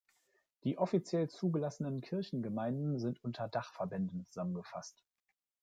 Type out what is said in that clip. Die offiziell zugelassenen Kirchengemeinden sind unter Dachverbänden zusammengefasst.